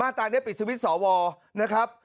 ตรานี้ปิดสวิตช์สวนะครับ